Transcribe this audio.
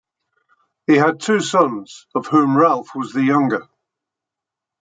He had two sons, of whom Ralph was the younger.